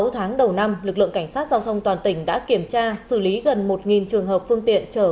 sáu tháng đầu năm lực lượng cảnh sát giao thông toàn tỉnh đã kiểm tra xử lý gần một trường hợp phương tiện trở